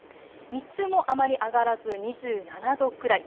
日中もあまり上がらず２７度くらい。